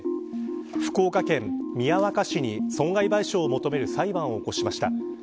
福岡県宮若市に損害賠償を求める裁判を起こしました。